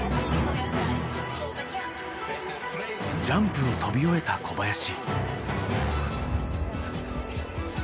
ジャンプを飛び終えた小林。